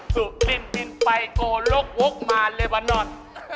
สุกลิ่นบินไปโกลกโว๊คมาเลเวอร์นอน